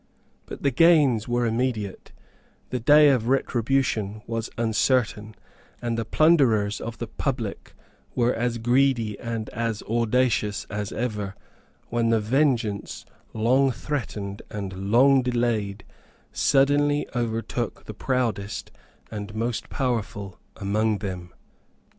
But the gains were immediate; the day of retribution was uncertain; and the plunderers of the public were as greedy and as audacious as ever, when the vengeance, long threatened and long delayed, suddenly overtook the proudest and most powerful among them.